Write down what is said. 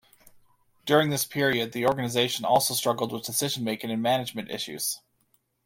During this period, the organization also struggled with decision-making and management issues.